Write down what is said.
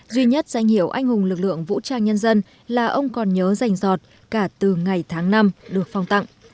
duy nhất danh hiệu anh hùng lực lượng vũ trang nhân dân là ông còn nhớ dành giọt cả từ ngày tháng năm được phong tặng